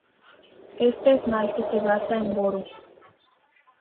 Este esmalte se basa en boro.